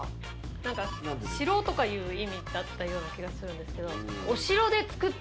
何か城とかいう意味だったような気がするんですけど。